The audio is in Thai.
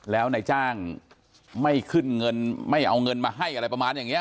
แล้วนายจ้างไม่ขึ้นเงินไม่เอาเงินมาให้อะไรประมาณอย่างนี้